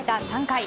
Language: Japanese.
３回。